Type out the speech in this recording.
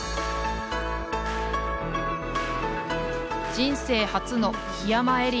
人生初の桧山エリア。